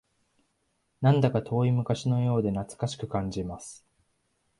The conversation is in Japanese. なんだか遠い昔のようで懐かしく感じます